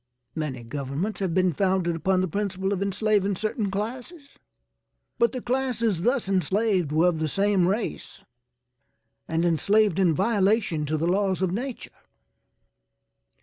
Many governments have been founded upon the principle of enslaving certain classes, but the classes thus enslaved were of the same race and enslaved in violation to the laws of nature."